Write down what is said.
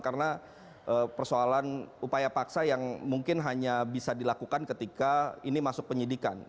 karena persoalan upaya paksa yang mungkin hanya bisa dilakukan ketika ini masuk penyidikan